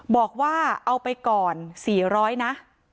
บอกว่าเอาไปก่อน๔๐๐นะ